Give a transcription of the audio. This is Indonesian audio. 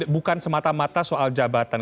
bukan semata mata soal jabatan